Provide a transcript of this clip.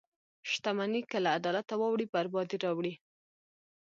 • شتمني که له عدالته واوړي، بربادي راوړي.